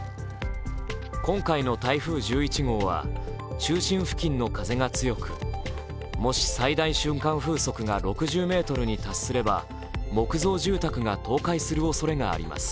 今回の台風１１号は中心付近の風が強くもし最大瞬間風速が６０メートルに達すれば木造住宅が倒壊するおそれがあります。